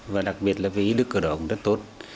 và đặc biệt là ý đức cờ đỏ cũng rất tốt